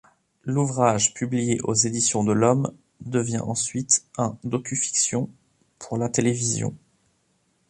L'ouvrage, publié aux Éditions de l'Homme, devient ensuite un docufiction pour la télévision.